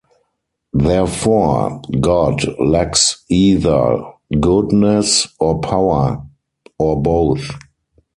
Therefore God lacks either goodness, or power, or both.